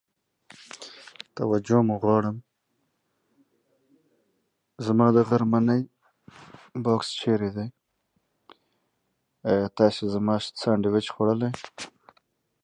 Excuse me? Where's my lunchbox? Did you eat my sandwich?!